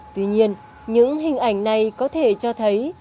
tuy nhiên những hình ảnh này có thể cho thấy